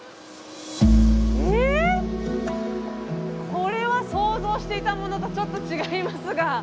これは想像していたものとちょっと違いますが。